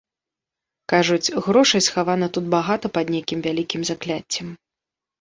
Кажуць, грошай схавана тут багата пад нейкім вялікім закляццем.